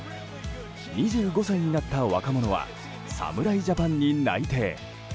２５歳になった若者は侍ジャパンに内定。